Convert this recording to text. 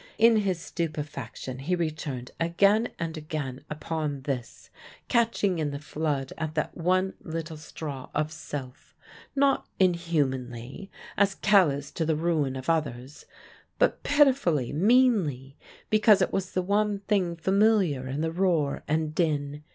_ In his stupefaction he returned again and again upon this, catching in the flood at that one little straw of self; not inhumanly, as callous to the ruin of others; but pitifully, meanly, because it was the one thing familiar in the roar and din.